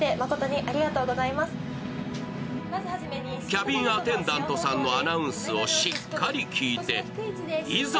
キャビンアテンダントさんのアナウンスをしっかり聞いていざ